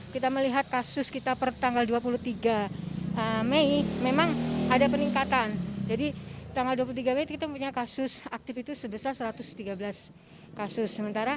kita melihat kasus kita per tanggal dua puluh tiga mei memang ada peningkatan jadi tanggal dua puluh tiga mei kita punya kasus aktif itu sebesar satu ratus tiga belas kasus sementara seminggu sebelumnya itu hanya delapan puluh enam kasus aktif yang ada di kecamatan jagakarsa yang tersebar di enam kelurahan